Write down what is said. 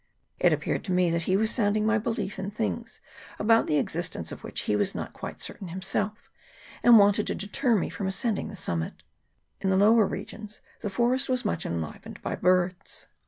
It appeared to me that he was sounding my belief in things about the existence of which he was not quite certain himself, and wanted to deter me from ascending to the summit. In the lower regions the forest was much enlivened by birds.